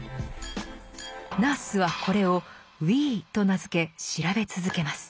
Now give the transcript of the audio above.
ナースはこれを「Ｗｅｅ」と名付け調べ続けます。